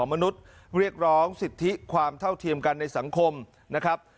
มนุษย์เรียกร้องสิทธิความเท่าเทียมกันในสังคมนะครับ